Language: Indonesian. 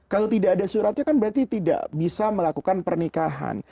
kalau tidak ada suratnya kan berarti tidak bisa melakukan pernikahan